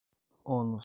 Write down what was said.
ônus